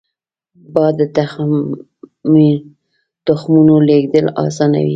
باد د تخمونو لیږد اسانوي